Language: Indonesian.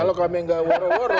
kalau kami nggak woro woro